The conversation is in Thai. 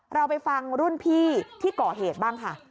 เราไปฟังรุ่นพี่ที่ก่อเหตุบ้างค่ะ